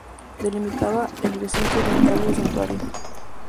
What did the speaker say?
Delimitaba el recinto oriental del santuario.